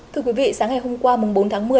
thưa quý vị sáng ngày hôm qua bốn tháng một mươi